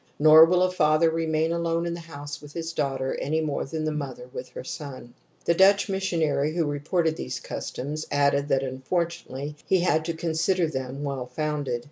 Nor will a father remain alone in the house with his daughter any more than the mother with her son. The Dutch missionary who reported these customs added that unfortunately he had to consider them well founded.